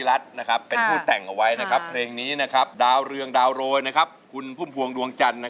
แล้วหนุ่มก็ร้องที่ไม่มั่นใจ